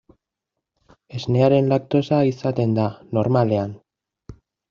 Esnearen laktosa izaten da, normalean.